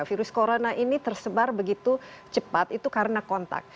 virus corona ini tersebar begitu cepat itu karena kontak